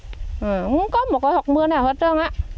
không có một cái hộp mưa nào hết trơn á